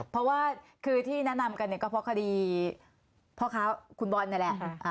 เพราะว่าคือที่แนะนำกันเนี่ยก็เพราะคดีพ่อค้าคุณบอลนี่แหละ